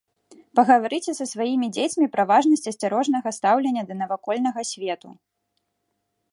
Пагаварыце са сваімі дзецьмі пра важнасць асцярожнага стаўлення да навакольнага свету.